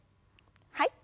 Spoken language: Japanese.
はい。